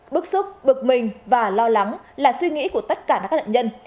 bức xúc bực mình và lo lắng là suy nghĩ của tất cả các nạn nhân